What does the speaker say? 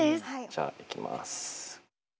じゃあいきます。